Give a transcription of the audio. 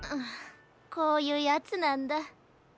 こういうやつなんだ。